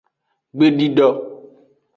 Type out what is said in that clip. Gbedido.